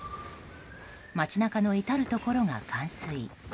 街中の至るところが冠水。